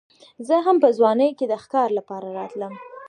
زه هم په ځوانۍ کې د ښکار لپاره راتلم.